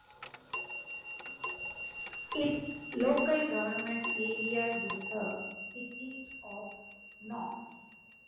Its local government area is the City of Knox.